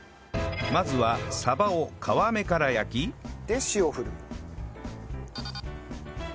まずは鯖を皮目から焼きで塩をふる。